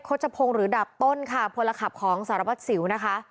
ชพงศ์หรือดาบต้นค่ะพลขับของสารวัตรสิวนะคะ